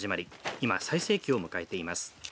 今、最盛期を迎えています。